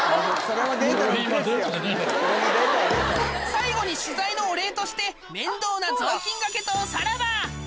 最後に取材のお礼として面倒な雑巾がけとおさらば！